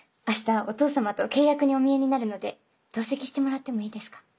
明日お父様と契約にお見えになるので同席してもらってもいいですか？